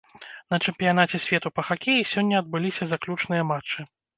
На чэмпіянаце свету па хакеі сёння адбыліся заключныя матчы.